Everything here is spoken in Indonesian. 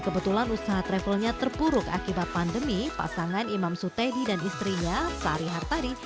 kebetulan usaha travelnya terpuruk akibat pandemi pasangan imam sutedi dan istrinya sari hartari